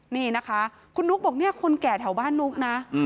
นี่นะคะคุณนุ๊กบอกเนี่ยคนแก่แถวบ้านนุ๊กนะ